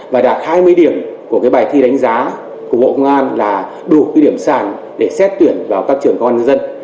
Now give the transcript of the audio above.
và đạt hai mươi điểm của bài thi đánh giá của bộ công an là đủ cái điểm sàn để xét tuyển vào các trường công an nhân dân